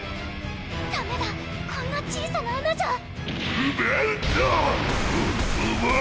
ダメだこんな小さな穴じゃウバウゾー！